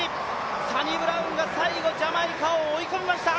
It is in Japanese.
サニブラウンが最後ジャマイカを追い込みました。